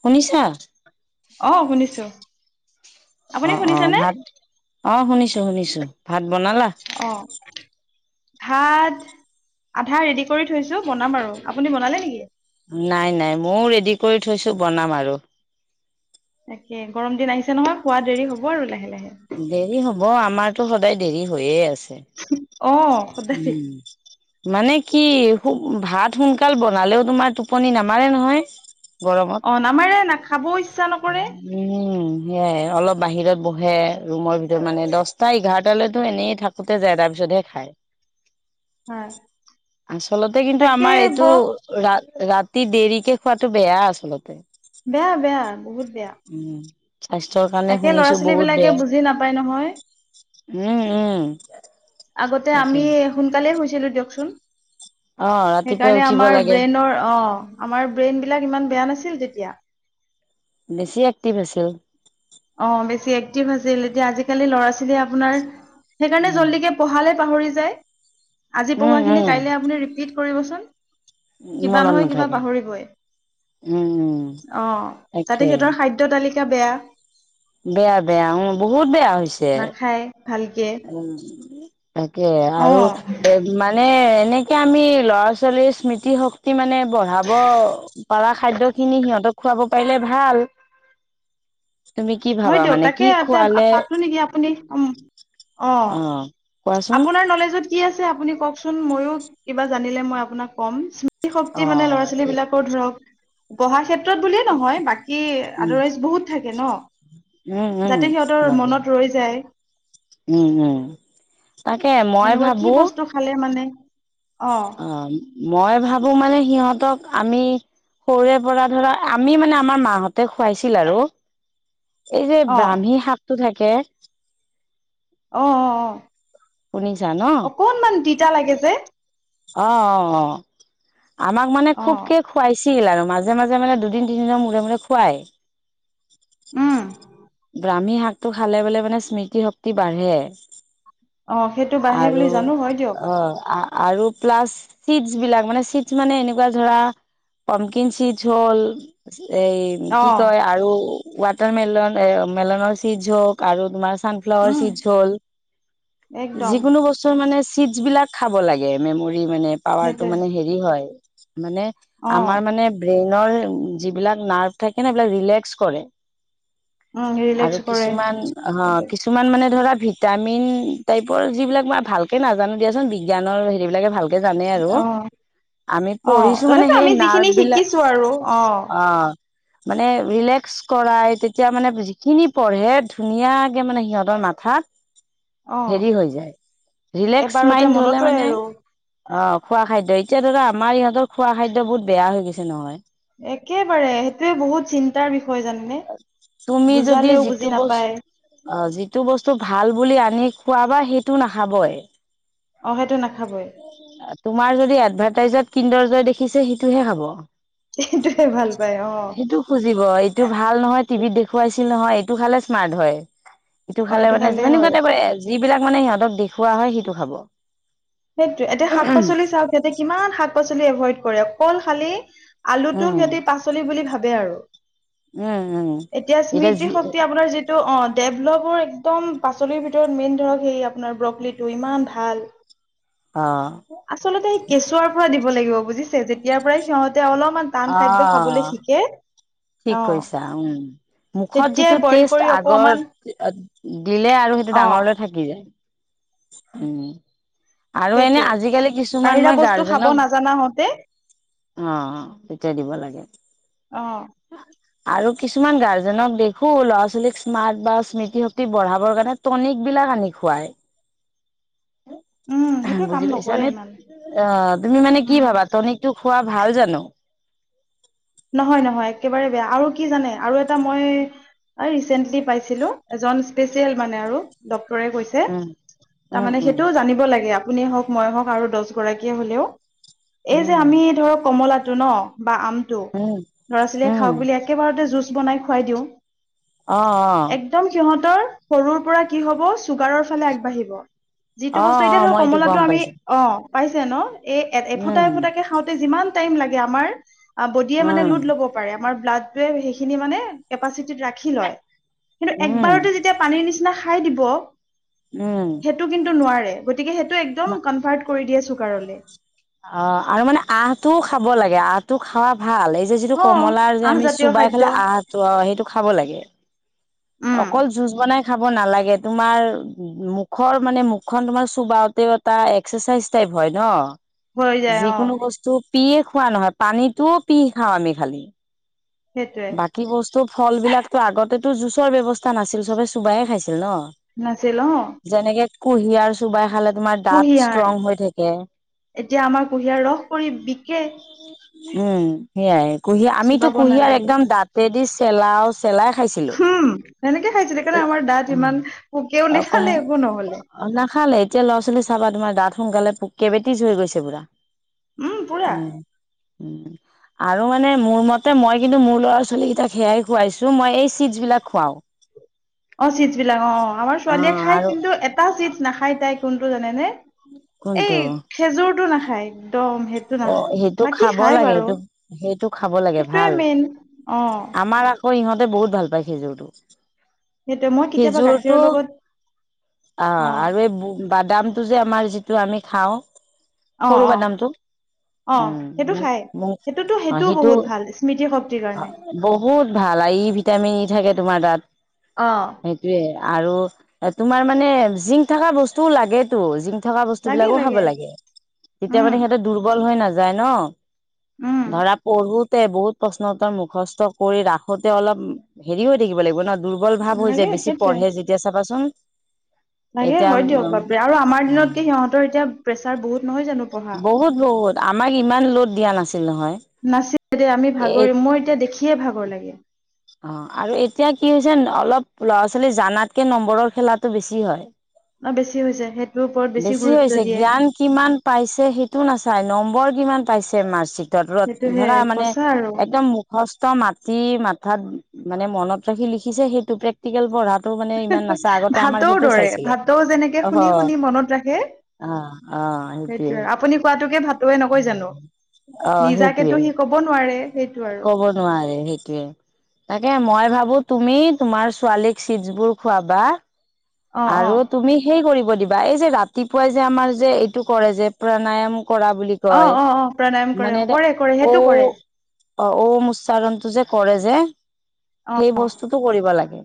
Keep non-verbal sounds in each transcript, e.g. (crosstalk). শুনিছা। অঁ শুনিছো। আপুনি অঁ অঁ শুনিছেনে ভাত অঁ শুনিছো শুনিছো ভাত বনালা। অ ভাত আধা ৰেডি কৰি থৈছো বনাম আৰু আপুনি বনালে নেকি। নাই নাই মইও ৰেডি কৰি থৈছো বনাম আৰু। তাকে গৰম দিন আহিছে নহয় খোৱা দেৰি হ'ব আৰু লাহে লাহে। দেৰি হ'ব আমাৰতো সদায় দেৰি হৈয়ে আছে। অ সদাই। উম মানে কি ভাত সোনকাল বনালেও তোমাৰ টোপনি নামাৰে নহয়। অ নামাৰে না খাবও ইচ্ছা নকৰে গৰমত উম। সেয়াই অলপ বাহিৰত বহে ৰুমৰ ভিতৰত মানে দহটা এঘাৰটা। হেহতেটো এনেই থাকোতে যায় তাৰপিছতহে খায়। হয় আচলতে কিন্তু তাকে আমাৰ ব এইটো ৰা। ৰাতি দেৰিকে খোৱাটো বেয়া আচলতে। বেয়া বেয়া বহুত। বেয়া উম স্বাস্থ্যৰ কাৰণে তাকে ল'ৰা শুনিছো ছোৱালী বহুত বিলাকে বেয়া। বুজি নাপায় নহয় উম উম। আগতে তাকে আমি সোনকালেই শুইছিলোঁ দিয়কচোন। অ ৰাতিপুৱা সেইকাৰণে উঠিব আমাৰ লাগে ব্ৰেইনৰ অ। আমাৰ ব্ৰেইন বিলাক ইমান বেয়া নাছিল তেতিয়া বেছি এক্টিভ আছিল অ অ বেছি এক্টিভ আছিল এতিয়া আজিকালি ল'ৰা ছোৱালীয়ে আপোনাৰ। সেইকাৰণে উম জল্দিকে পঢ়ালে পাহৰি যায় আজি উম পঢ়াখিনি উম কাইলে আপুনি ৰিপিট কৰিবচোন। কিবা মনত নহয় কিবা নাথাকে পাহৰিবই উম উম অ তাকে তাতে সিহঁতৰ খাদ্য তালিকা বেয়া বেয়া বেয়া উ বহুত বেয়া। নাখায়। ভালকে উ তাকে অ আৰু এ মানে। এনেকে আমি ল'ৰা ছোৱালীৰ স্মৃতি শক্তি মানে বঢ়াব পাৰা খাদ্য খিনি সিহঁতক খুৱাব পাৰিলে ভাল। তুমি কি হয় ভাবা মানে কি দেউতাকে এটা খোৱালে পাতো নেকি আপুনি উম। অ কোৱাচোন আপোনাৰ নলেজত কি আছে? আপুনি কওঁকচোন ময়ো কিবা জানিলে মই আপোনাক কম। শক্তি অ মানে ল'ৰা ছোৱালী বিলাকৰ ধৰক পঢ়া ক্ষেত্ৰত বুলিয়ে নহয় বাকী উম আদাৰাইজ বহুত থাকে ন। উম উম যাতে সিহঁতৰ লাগে মনত ৰৈ যায়। উম উম তাকে মই এনেকুৱা ভাবো কি বস্তু খালে মানে। অ মই ভাবো মানে সিহঁত আমি সৰুৰে পৰা ধৰা আমি মানে আমাৰ মাহঁতে খুৱাইছিল আৰু এই যে অ অ ব্ৰাহ্মী শাকটো থাকে অ অ শুনিছা ন অকনমান তিতা লাগে যে অ অ অ আমাক মানে অ খুবকে খুৱাইছে। ছিল আৰু মাজে মাজে মানে দুদিন তিনিদিনৰ মূৰে মূৰে খুৱাই। উম দামি শাকটো খালে বোলে মানে স্মৃতি শক্তি বাঢ়ে। অ সেইটো বাঢ়ে বুলি আৰু জানো হয় দিয়ক অ আৰু প্লাছ চিডছ বিলাক মানে চিডছ মানে এনেকুৱা ধৰা পমকিন চিডছ হল। এই অ কি কয় আৰু ৱাটাৰ মেলন এ মেলনৰ চিজ হওঁক আৰু তোমাৰ ছানফ্লোৱাৰ উম চিডছ হল একদম যিকোনো বস্তুৰ মানে। চিডছ বিলাক খাব লাগে মেমৰি মানে পাৱাৰটো সেইটোৱে মানে হেৰি হয়। মানে অ আমাৰ মানে ব্ৰেইন নৰ যিবিলাক নাৰ্ভছ থাকে নে সেইবিলাক ৰিলেস্ক কৰে উম ৰিলেক্স আৰু কৰে কিছুমান অ সেইটোৱে। কিছুমান মান ধৰা ভিটামিন টাইপৰ যিবিলাক বা ভালকে নাজানো দিয়াচোন বিজ্ঞানৰ হেৰিবিলাক ভাল। সে জানে আৰু অ আমি অ পঢ়িছো মানে তথাপি সেই আমি নাৰ্ভ যিখিনি বিলাক শিকিছো আৰু অ অঁ মানে ৰিলাক্স কৰা এতিয়া মানে যিখিনি পঢ়ে ধুনীয়াকে মানে সিহঁতৰ অ মাথাত হেৰি হৈ যায় লেক্স এবাৰতে মাইড মনত হলে ৰয় মানে আৰু অঁ খোৱা খাদ্য এতিয়া ধৰা আমাৰ ইহতৰ খোৱা খাদ্য বহুত বেয়া হৈ গৈছে নহয় একেবাৰে সেইটোয়ে বহুত চিন্তাৰ বিষয় জানেনে তুমি যদি বুজালেও বুজি যিটো বস্তু নাপায় অঁ যিটো বস্তু ভাল। বুলি আনি খোৱাবা সেইটো নাখাবই। অ সেইটো নাখাবই তোমাৰ যদি এডভাৰটাইজত। কিন্দৰজয় দেখিছে, সেইটোহে খাব সেইটোয়ে ভাল পায় অ সেইটো খুজিব। এইটো ভাল নহয় টিভিত দেখুৱাইছিল নহয় এইটো খালে স্মাৰ্ট হয়। ইটো অ খালে এইটো মানে যি খালেই মানে হয় এনেকুৱা যিবিলাক মানে সিহঁতক দেখুওৱা হয় সিটো খাব সেইটো এতিয়া শাক পাচলি চাওঁক যাতে কিমান শাক পাচলি এভইড কৰে অকল খালি আলুটো উম সিহঁতিৰ পাচলি বুলি ভাবে আৰু উম উম এতিয়া স্মৃতি শক্তি আপোনাৰ যিটো। ত অঁ ডেভলপৰ একদম পাচলিৰ ভিতৰত মেইন ধৰক হেই আপোনাৰ ব্ৰকলি টো ইমান ভাল। অ আচলতে কেঁচুৱাৰ পৰা দিব লাগিব বুজিছে যেতিয়াৰ পৰাই সিহতঁ। অলপমান অ টান খাদ্য খাবলৈ শিকে। ঠিক অ কৈছা উম। মুখত তেতিয়াই যিটো বইল টেষ্ট কৰি অকমান আগত দিলে আৰু সেইটো অ ডাঙৰলে থাকি যায়। উম। আৰু এনে সেইটোৱে আজিকালি কিছুমান বাহিৰা মই বস্তু খাব গাৰ্জেনক। নাজানা হওঁতে অঁ তেতিয়া দিব লাগে। অ উম। আৰু কিছুমান গাৰ্জেনক দেখো ল'ৰা ছোৱালীক স্মাৰ্ট বা স্মৃতি শক্তি বঢ়াবৰ কাৰণে টনিক বি। সানি খুৱায়। উম সেইটো কাম বুজি নকৰে পাইছানে ইমান অঁ তুমি মানে কি উম ভাবা যদি তোক খোৱা ভাল জানো। নহয় নহয় একেবাৰে বেয়া আৰু কি জানে আৰু এটা মই। আৰে ৰিচেনটলি পাইছিলো এজন ইম্পেৰিয়েল মানে আৰু এজন ডক্টৰ গৈছে উম তাৰ উম মানে উম সেইটো জানিব লাগে আঁ আ কোনে হওক মই হওঁক আৰু দহ গৰাকীয়ে হলেও উম এই যে আমি ধৰক কমলা সেই টো নহ উম ল'ৰা ছোৱালীয়ে উম খাওঁক বুলি একেবাৰতে জুচ বনাই খুৱাই দিওঁ আঁহ একদম আহঁ। সিহঁতৰ সৰুৰ পৰা কি হব চুগাৰৰ ফালে আগবাঢ়িব। যিটো অ বস্তু অ এতিয়া ধৰ মই এইটো কমলাটো গম আমি পাইছো অঁ। পাৰিছে নহ এই এফুটা উম এফুটা কৈ খাঁওতে যিমান টাইম লাগে। দিয়ে মানে উম লোড ল'ব পাৰে আমাৰ ব্লাডোৱে সেইখিনি মানে কেপাচিটিত ৰাখি লয়। কিন্তু উম একবাৰতে যেতিয়া পানীৰ নিচিনা খাই দিব উম সেইটো কিন্তু নোৱাৰে গ। গতিকে সেইটো একদম কনভাৰ্ট কৰি দিয়ে চুকাৰলে। অঁ আৰু মানে আহঁ টোও খাব লাগে আহটো খাব ভাল এই যে যিটো অ কমলাৰ যে আমি আহজাতীয় চোবাই খাদ্য খালে আহটো সেইটো খাব লাগে। উম অকল জুচ বনাই খাব নালাগে তোমাৰ মুখৰ মানে মুখখন তোমাৰ চোবাওতেও এটা এক্সাৰচাইজ টাইপ। হয় হৈ ন। যায় অ যিকোনো বস্তু পিয়িয়ে খোৱা নহয় পানীটোও পি খাওঁ আমি খালি। সেইটোৱে বাকী বস্তু ফল বিলাকো আগতেতো জুচৰ ব্যৱস্থা নাছিল চবে চুবায়ে খাইছিল। ন নাছিল অ যেনেকে কুহিয়াৰ চোবাই খালে। তুমাৰ দাঁত কুঁহিয়াৰ ষ্ট্ৰং হৈ থাকে। এতিয়া আমাৰ কুঁহিয়াৰ ৰস কৰি বিকে উম সেয়াই কুঁহিয়াৰ আমিতো চোবাব কুঁহিয়াৰ এক দাঁতে দি চেলাই খাইছিলো উম সেনেকে খাইছিল সেইকাৰণে আমাৰ দাঁত ইমান পোকেও নেখালে একো নহলে অ নাখালে এতিয়া লৰা ছোৱালী চাবা তোমাৰ দাঁত সোনকালে পোক কেইবটিজ হৈ গৈছে বোলে উম পুৰা উম উম আৰু মানে মোৰ মতে মই কিন্তু মোৰ ল'ৰা ছোৱালী কেইটাক সেয়াই খুৱাইছো মই এই চিডছ বিলাক খুৱাও অ চিড বিলাক অ আমাৰ অ ছোৱালীয়ে খাই আৰু কিন্তু এটা চিডছ নাখায় তাই কোনটো জানেনে এই কোনটো খেজুৰটো নাখায় একদম সেইটো অ নাখায় সেইটো বাকী খাব খাই লাগে বাৰু সেইটো সেইটো খাব লাগে সেইটোৱে ভাল মেইন অ আমাৰ আকৌ ইহঁতে বহুত ভাল পায় সেইটোৱে মই খেজুৰ কেতিয়াবা খেজুৰটো গাখীৰৰ লগত অ আৰু এই বাদাম যে আমাৰ যিটো আমি খাওঁ অ সৰু অ বাদামটো অ উম সেইটো খাই মোক সেইটোতো অ সেইটোও সেইটো বহুত ভাল স্মৃতি শক্তিৰ কাৰণে বহুত ভাল ই ভিটামিন ই থাকে তোমাৰ তাত অ সেইটোয়ে আৰু এ তোমাৰ মানে জিংক থকা বস্তুও লাগেতো জিং। থকা বস্তু বিলাকো খাব লাগে তেতিয়া উম মানে সিহঁতে দুৰ্বল হৈ নাযায় ন। উম ধৰা পঢ়ো। বহুত প্ৰশ্ন উত্তৰ মুখস্থ কৰি ৰাসোতে অলপ হেৰি হৈ থাকিব লাগিব ন দুৰ্বল ভাৱ হৈ লাগে যায় বেছি সেইটোৱে পঢ়ে যেতিয়া চাবাচোন লাগে হয় দিয়ক বাপৰে এতিয়া আৰু আমাৰ দিনত কি সিহঁতৰ এতিয়া প্ৰেছাৰ বহুত নহয় জানো পঢ়া বহুত বহুত আমাক ইমান লোড দিয়া নাছিল নহয়। নাছিল দে আমি এ ভাগৰিম মই এতিয়া দেখিয়ে ভাগৰ লাগে। অ আৰু এতিয়া কি হৈছে অলপ ল'ৰা ছোৱালী জানাতকে নম্বৰৰ খেলাটো বেছি হয় ন বেছি হৈছে সেইটোৰ ওপৰত বেছি গুৰুত্ব হৈছে দিয়ে জ্ঞান কিমান পাইছে সেইটো নাচাই নম বৰ কিমান পাইছে মাৰ্চিটত ৰদ সেইটোহে ধৰা মানে সঁচা আৰু একদম মুখস্থ মাটি ম অথাৎ মানে মনত ৰাখি লিখিছে সেইটো প্ৰেক্টিকেল পঢ়াত। টো মানে ইমান নাচয় আগতে আমাৰ ভাটৌৰ সেইটো দৰে চাইছিলে ভাটৌ যেনেকে অ। শুনি শুনি মনত ৰাখে অ অ সেইটোৱে। সেইটোয়ে আপুনি কোৱাটোকে ভাটৌৱে নকয় জানো অ সেইটোৱে নিজাকেতো সি কব নোৱাৰে সেইটো আৰু কব নোৱাৰে সেইটোয়ে তাকে মই ভাবো। তুমি তোমাৰ ছোৱালীক চিডছ বোৰ খুৱাবা অ অ আৰু তুমি সেই কৰিব দিবা এই যে ৰাতিপুৱাই যে আমাৰ যে এইটো কৰে যে প্ৰনায়ম কৰা বুলি অ কয় অ অ প্ৰাণায়াম কৰে অ মানে কৰে কৰে অ সেইটো কৰে অ ঔম উচ্চাৰণটো যে কৰে যে অ সেই বস্তুটো কৰিব লাগে।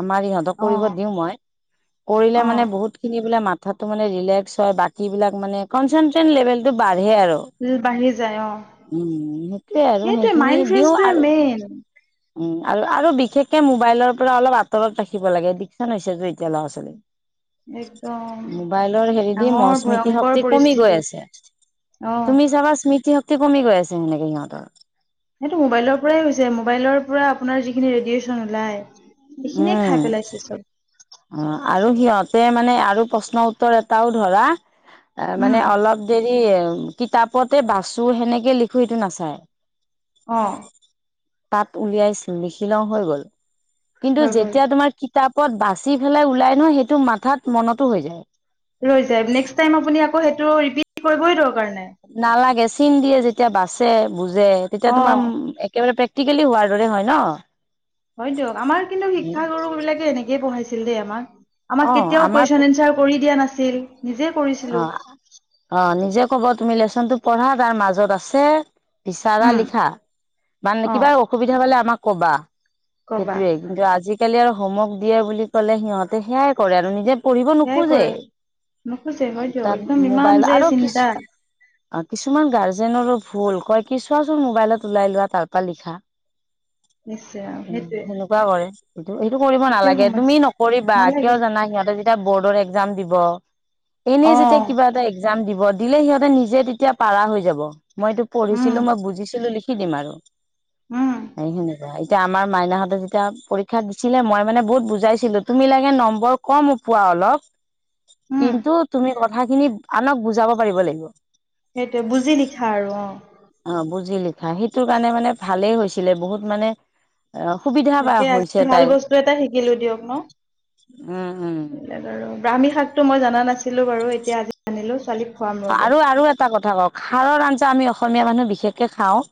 আমাৰ ইহঁতক অ কৰিব দিও মই কৰিলে অ মানে বহুতখিনি এইবিলাক মথাত তোমাৰ ৰিলেস্ক হয় বাকী বিলাক কনষ্টেছন লেবেল তো বাঢ়ি যায় বাঢ়ি যায় অ উম সেইটোয়ে আৰু সেইটোৱে সেইখিনি মাইণ্ড দিওঁ ফ্ৰেচটোৱে আৰু। মেইন উম আৰু আৰু বিশেষকে মোবাইলৰ পৰা অলপ আঁতৰত ৰাখিব লাগে এডিকচন হৈছে এতিয়া ল'ৰা একদম ছোৱালী মোবাইলৰ হেৰিদি ডাঙৰ মোৰ স্মৃতি ভয়ংকৰ শক্তি কমি পৰিস্থিতি গৈ আছে অ তুমি চাবা স্মৃতি শক্তি কমি গৈ আছে সেনেকে সিহঁতৰ সেইটো মোবাইলৰ পৰাই হৈছে মোবাইলৰ পৰা আপোনাৰ যিখিনি ৰেডিয়েচন ওলাই সেইখিনিয়ে খাই পেলাইছে চব অ আৰু সিহঁতে মানে আৰু প্ৰশ্ন উত্তৰ এটাও ধৰা। এ উম মানে অলপ দেৰি কিতাপতে বাচো সেনেকে লিখো সটো নাচায়। অ তাত উলিয়াইছিল লিখি লওঁ হৈ গ'ল কিন্তু হয় গ'ল যেতিয়া তোমাৰ কিতাপত বাচ চি পেলাই ওলাই ন সেইটো মাথাত মনতো হৈ যায় ৰৈ যায় নেক্স টাইম আপুনি আকৌ সেইটো ৰিপিট কৰিবই দৰকাৰ নাই নালাগে চিন দিয়ে যেতিয়া বাচে বুজে তেতিয়া অ তোমাৰ একেবাৰে আটিকালি হোৱাৰ দৰে হয় ন। হয়তো আমাৰ কিন্তু শিক্ষাগুৰু বিলাকে এনেকে পঢ়াইছিল দেই আমাক। আমাক অ কেতিয়াও আমাৰ কুৱেশন এনচাৰ কৰি দিয়া নাছিল। নিজে অ কৰিছিলো অ নিজে কব তুমি লেচনটো পঢ়া তাৰ মাজত আছে। বিচাৰা, উম লিখা মানে অ কিবা অসুবিধা পালে আমাক কবা। কবা সেইটোয়ে কিন্তু আজিকালি আৰু হোমৱৰ্ক দিয়ে বুলি ক'লে সিহঁতে সেয়াই কৰে আৰু নিজে পঢ়িব সেয়াই নোখোজে। কৰে নোখোজে হয় দিয়ক তাত একদম ইমান মোবাইল যে আৰু কিছ চিন্তা কিছুমান গাৰ্জেনৰো ভুল কয় কি চোৱাচোন মোবাইলত ওলাই লোৱা তাৰপৰা লিখা। নিশ্চয় উম সেইটোৱে সেনেকুৱা কৰে। সেইটো সেইটো কৰিব সেইটোৱে নালাগে সমস্যা তুমি নকৰিবা কিয় নালাগে জানা সিহঁতে যেতিয়া বৰ্ডৰ একজাম দিব। এনেই অ যেতিয়া কিবা এটা একজাম দিব দিলে সিহঁতে নিজে তেতিয়া পাৰা হৈ যাব। মই এইটো উম পঢ়িছিলো মই বুজিছিলো লিখি দিম আৰু উম সেইখিনি। এতিয়া আমাৰ মাইনাহ‍ঁতে যেতিয়া পৰীক্ষা দিছিলে মই মানে বহুত বুজাইছিলো তুমি লাগে নম্বৰ কম পোৱা অলপ, উম কিন্তু তুমি কথাখিনি আনক বুজাব পাৰিব লাগিব। সেইটোৱে বুজি লিখা আৰু অ। অ বুজি লিখা সেইটো কাৰণে মানে ভালেই হৈছিলে বহুত মানে অ সুবিধা বা তাকে আজি হৈছে ভাল তাইৰ। বস্তু এটা শিকিলো দিয়ক ন উম-উম। এইবিলাক আৰু ব্ৰাহ্মী শাকটো মই জানা নাছিলোঁ বাৰু এতিয়া আজি আানিলোঁ ছোৱালী আৰু-আৰু এটা কথা কওঁক খাৰৰ আঞ্জা আমি অসমীয়া মানুহ বিশেষকে খাওঁ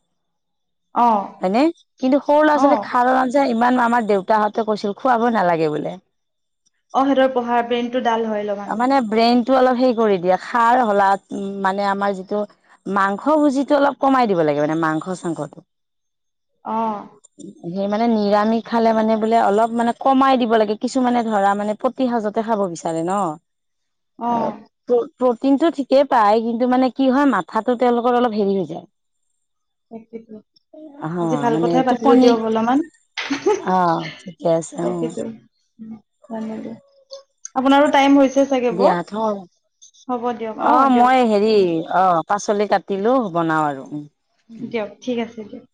অ হয় নে কিন্তু সৰু অ ল'ৰা-ছোৱালী খাৰৰ আঞ্জা ইমান আমাৰ দেউতাহঁতে কৈছিল খুৱাব নালাগে বোলে। অ সিহঁতৰ পঢ়াৰ ব্ৰেইন মানে ব্ৰেইনটো অলপ হেৰি কৰি দিয়া সাৰ হলাত উম মানে আমাৰ যিটো মাংস ভুজিটো অলপ কমাই দিব লাগে মানে মাংস-চাংস (inaudible) অ। সেই মানে নিৰামিষ খালে মানে বোলে অলপ মানে কমাই দিব লাগে কিছুমানে ধৰা মানে প্ৰতি সাজতে খাব বিচাৰে ন। অ। প্ৰটিনটো ঠিকেই পায় কিন্তু মানে কি হয় মাথাটো তেওঁলোকৰ অলপ হেৰি হৈ যায়। সেইটোৱেই অ আজি ভাল মানে কথাই পাতিলো টোপনি দিয়ক অলপমান। হুম অ ঠিকে আছে অ তাকেইতো। (inaudible) আপোনাৰো টাইম হৈছ দিয়া দিয়ক অ অঁ দিয়ক মই হেৰি অ পাচলি কাটিলোঁ বনাওঁ আৰু। দিয়ক ঠিক আছে দিয়ক।